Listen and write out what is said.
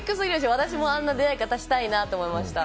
私もあんな出会い方したいなと思いました。